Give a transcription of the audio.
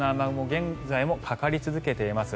現在もかかり続けています。